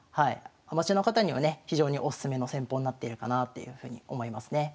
アマチュアの方にはね非常におすすめの戦法になっているかなっていうふうに思いますね。